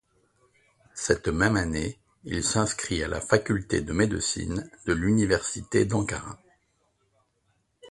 Cette même année, il s’inscrit à la Faculté de médecine de l’Université d'Ankara.